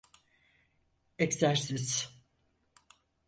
Egzersiz.